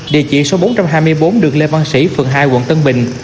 địa chỉ số bốn trăm hai mươi bốn đường lê văn sĩ phường hai quận tân bình